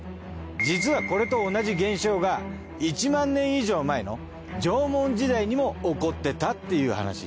実はこれと同じ現象が１万年以上前の縄文時代にも起こってたっていう話。